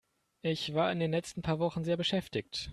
Ich war in den letzten paar Wochen sehr beschäftigt.